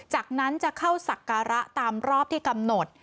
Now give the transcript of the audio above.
จากนั้นจะเข้าศักระตามรอบที่กำหนด